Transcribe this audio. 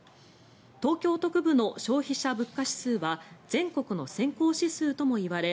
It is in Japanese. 東京都区部の消費者物価指数は全国の先行指数ともいわれ